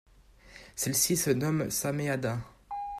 Celui-ci se nomme Samehada.